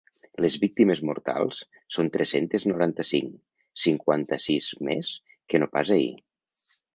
Les víctimes mortals són tres-centes noranta-cinc, cinquanta-sis més que no pas ahir.